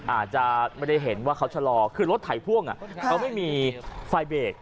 อาจจะไม่ได้เห็นว่าเขาชะลอคือรถไถพ่วงเขาไม่มีไฟเบรก